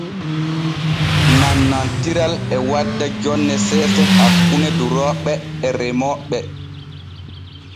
Nannantiral e wadda jonne seese hakkune durooɓe e remooɓe.